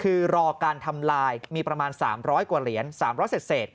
คือรอการทำลายมีประมาณ๓๐๐กว่าเหรียญ๓๐๐เศษ